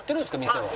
店は。